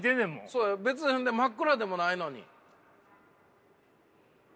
そう別に真っ暗でもないのに。